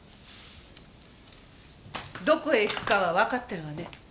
どこへ行くかはわかってるわね。